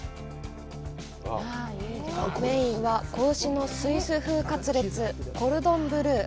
メインは、仔牛のスイス風カツレツコルドン・ブルー。